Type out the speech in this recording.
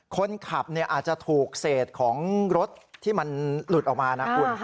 คนขับอาจจะถูกเศษของรถที่มันหลุดออกมานะคุณ